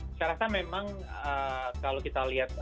saya rasa memang kalau kita lihat